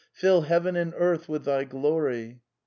' Fill heaven and earth with Thy glory."